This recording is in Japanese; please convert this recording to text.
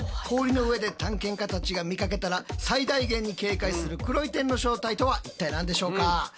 氷の上で探検家たちが見かけたら最大限に警戒する「黒い点」の正体とは一体何でしょうか？